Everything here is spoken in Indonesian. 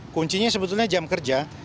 kuncinya sebetulnya jam kerja